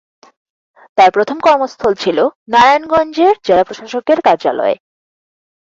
তার প্রথম কর্মস্থল ছিল নারায়ণগঞ্জের জেলা প্রশাসকের কার্যালয়।